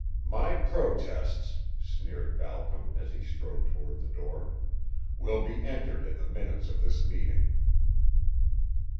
"My protests," sneered Balcom, as he strode toward the door, "will be entered in the minutes of this meeting."